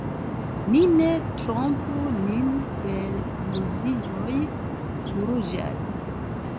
Ni ne trompu nin per iluzioj; urĝas.